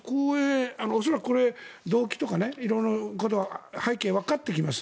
恐らく動機とか色んな背景わかってきます。